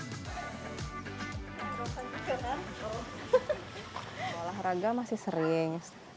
lalu diberikan tanda bagian pada nama nama orang orang yang berusia berusia berusia bersama